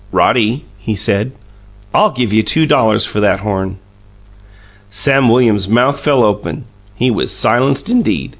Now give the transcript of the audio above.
"Roddy," he said, "I'll give you two dollars for that horn." Sam Williams's mouth fell open; he was silenced indeed.